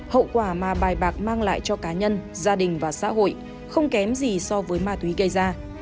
hậu quả mà bài bạc mang lại cho cá nhân gia đình và xã hội không kém gì so với ma túy gây ra